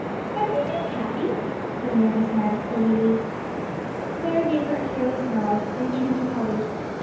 "How do you do, Cathie?" putting out his hand cordially. Clare gave her a careless nod, then turned to Polly.